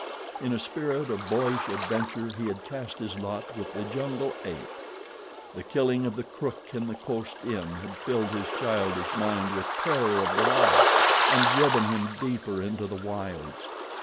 In a spirit of boyish adventure he had cast his lot with the jungle ape. The killing of the crook in the coast inn had filled his childish mind with terror of the law, and driven him deeper into the wilds.